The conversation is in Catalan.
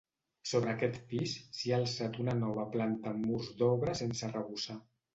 Sobre aquest pis s'hi ha alçat una nova planta amb murs d'obra sense arrebossar.